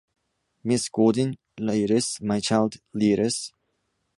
Miss Gaudin lyres, my child, lyres!